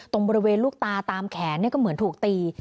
ตรงบริเวณลูกตาตามแขนก็เหมือนถูกตี